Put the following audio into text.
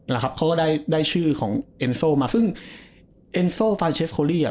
แหละครับเขาก็ได้ได้ชื่อของเอ็นโซมาซึ่งเอ็นโซฟานเชสโคลี่อ่ะ